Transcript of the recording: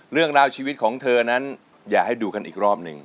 เรื่องราวชีวิตของเธอนั้นอย่าให้ดูกันอีกรอบหนึ่ง